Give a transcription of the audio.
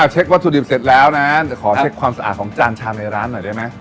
เช็ควัตถุดิบเสร็จแล้วนะเดี๋ยวขอเช็คความสะอาดของจานชามในร้านหน่อยได้ไหม